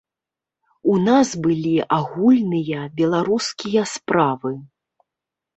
У нас былі агульныя беларускія справы.